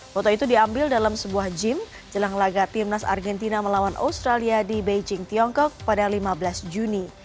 foto itu diambil dalam sebuah gym jelang laga timnas argentina melawan australia di beijing tiongkok pada lima belas juni